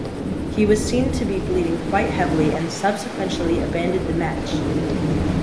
He was seen to be bleeding quite heavily and subsequently abandoned the match.